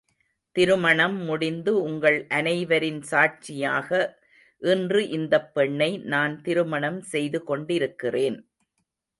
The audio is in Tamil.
திருமணம் முடிந்து உங்கள் அனைவரின் சாட்சியாக இன்று இந்தப்பெண்ணை நான் திருமணம் செய்து கொண்டிருக்கிறேன்.